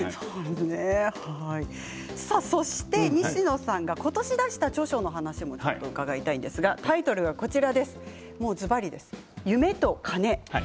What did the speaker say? そして西野さんが今年出した著書の話を伺いたいんですが、タイトルはずばりです「夢と金」。